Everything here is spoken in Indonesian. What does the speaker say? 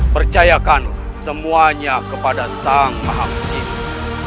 percayakanlah semuanya kepada sang maha pecipa